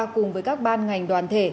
cùng với các ban ngành đoàn thể